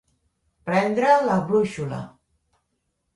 Prendre la brúixola.